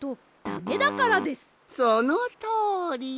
そのとおり。